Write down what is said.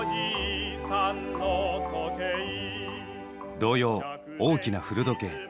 童謡「大きな古時計」。